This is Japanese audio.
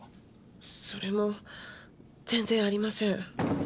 それも全然ありません。